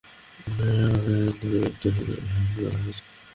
আমাদের পরিবারের মূল।